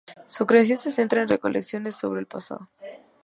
Su creación se centra en recolecciones sobre el pasado.